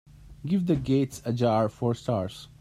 Give The Gates Ajar four stars